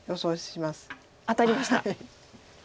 当たりました。